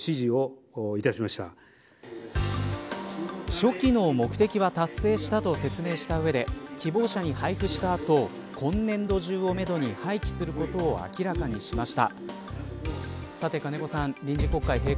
初期の目的は達成したと説明した上で希望者に配布した後今年度中をめどに廃棄することを明らかにしました。